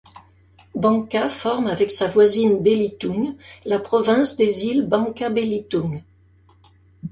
Bangka forme, avec sa voisine Belitung, la province des îles Bangka Belitung.